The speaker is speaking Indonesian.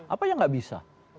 apa yang tidak bisa